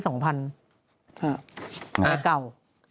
แล้วเก่า